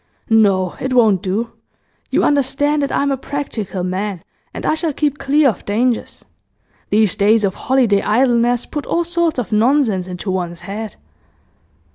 No, it won't do! You understand that I'm a practical man, and I shall keep clear of dangers. These days of holiday idleness put all sorts of nonsense into one's head.